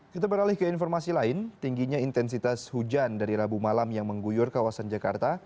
kita beralih ke informasi lain tingginya intensitas hujan dari rabu malam yang mengguyur kawasan jakarta